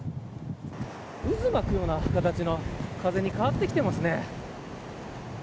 渦巻くような形の風に変わってきてますね。